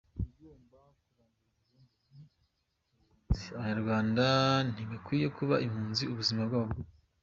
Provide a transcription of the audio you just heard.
Ikigomba kurangira burundu ni ubuhunzi, Abanyarwanda ntibakwiye kuba impunzi ubuzima bwabo bwose.